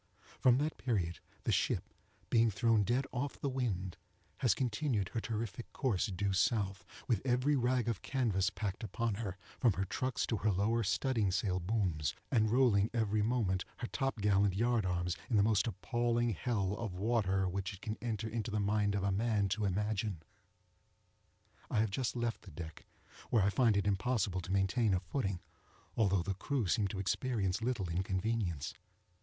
From that period the ship, being thrown dead off the wind, has continued her terrific course due south, with every rag of canvas packed upon her, from her trucks to her lower studding sail booms, and rolling every moment her top gallant yard arms into the most appalling hell of water which it can enter into the mind of a man to imagine. I have just left the deck, where I find it impossible to maintain a footing, although the crew seem to experience little inconvenience.